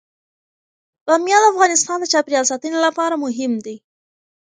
بامیان د افغانستان د چاپیریال ساتنې لپاره مهم دي.